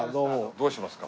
どうしますか？